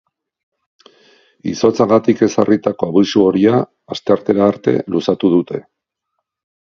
Izotzagatik ezarritako abisu horia asteartera arte luzatu dute.